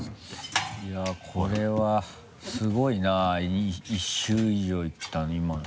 いやこれはすごいな１周以上いったの今の。